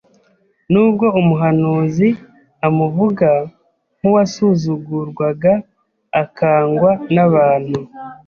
Nubwo umuhanuzi amuvuga nk’“uwasuzugurwaga akangwa n’abantu,